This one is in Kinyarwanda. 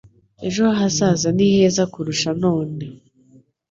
ejo hazaza ni heza kurusha none